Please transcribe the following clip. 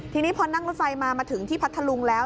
ทีนี้พอนั่งรถไฟมามาถึงที่พัทธลุงแล้ว